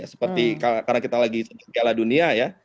seperti karena kita lagi di segala dunia ya